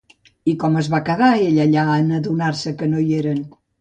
I com es va quedar ell allà en adonar-se que no hi eren?